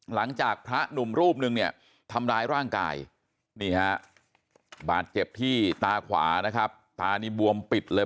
หลังจากพระหนุ่มรูปนึงเนี่ยทำร้ายร่างกายนี่ฮะบาดเจ็บที่ตาขวานะครับตานี่บวมปิดเลย